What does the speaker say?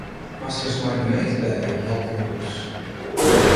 Moast ris mei de gemeente belje om help yn 'e hûs.